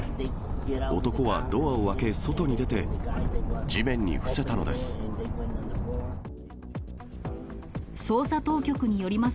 男はドアを開け外に出て、地面に伏せたのです。